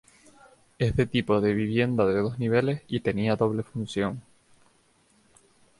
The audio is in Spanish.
Es de tipo de vivienda de dos niveles y tenía doble función.